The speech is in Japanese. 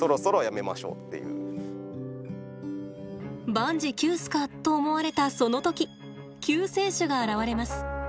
万事休すか？と思われたその時救世主が現れます。